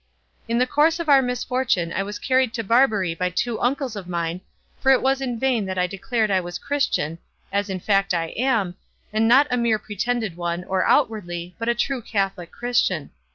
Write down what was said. In the course of our misfortune I was carried to Barbary by two uncles of mine, for it was in vain that I declared I was a Christian, as in fact I am, and not a mere pretended one, or outwardly, but a true Catholic Christian.